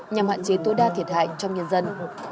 nhằm hạn chế tối đa thiệt hại trong nhân dân